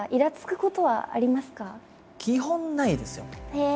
へえ！